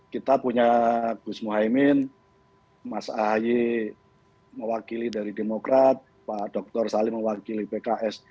kita punya gus muhaymin mas ahaye mewakili dari demokrat pak dr salim mewakili pks